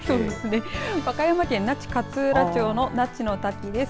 和歌山県那智勝浦町の那智の滝です。